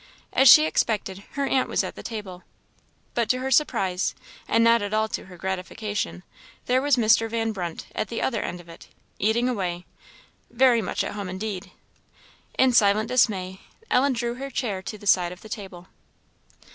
As she expected, her aunt was at the table; but to her surprise, and not at all to her gratification, there was Mr. Van Brunt at the other end of it, eating away, very much at home indeed. In silent dismay, Ellen drew her chair to the side of the table.